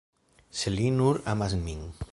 Se li nur amas min.